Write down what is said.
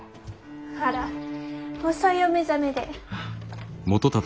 ・あら遅いお目覚めで。